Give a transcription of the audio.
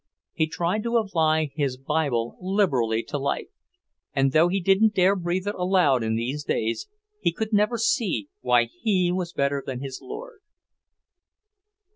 He tried to apply his Bible literally to life and, though he didn't dare breathe it aloud in these days, he could never see why he was better than his Lord.